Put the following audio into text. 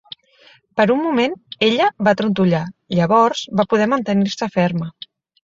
Per un moment ella va trontollar; llavors va poder mantenir-se ferme.